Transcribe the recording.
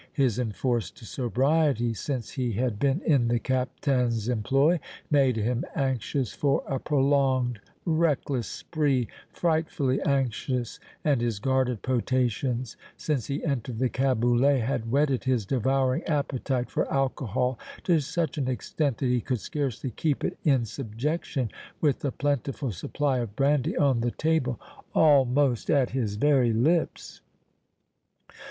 His enforced sobriety since he had been in the Captain's employ made him anxious for a prolonged, reckless spree, frightfully anxious, and his guarded potations since he entered the caboulot had whetted his devouring appetite for alcohol to such an extent that he could scarcely keep it in subjection with the plentiful supply of brandy on the table, almost at his very lips.